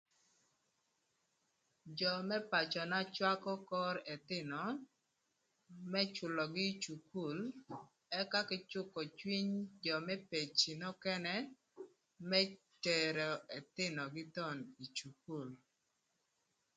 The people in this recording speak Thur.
Jö më pacöna cwakö kor ëthïnö më cülögï ï cukul ëka kï cükö cwiny jö më peci nökënë më tero ëthïnögï thon ï cukul.